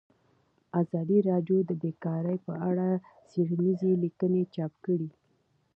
ازادي راډیو د بیکاري په اړه څېړنیزې لیکنې چاپ کړي.